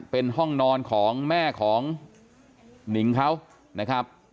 เป็นห้องนอนของแม่ของหนิงเขานะครับ